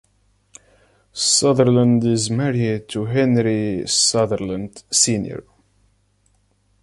Sutherland is married to Henry Sutherland Sr.